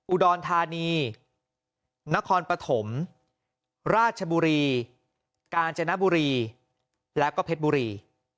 อุดรธานีนครปฐมราชบุรีกาญจนบุรีแล้วก็เพชรบุรี